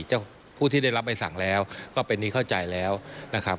ผู้ที่ได้รับใบสั่งแล้วก็เป็นที่เข้าใจแล้วนะครับ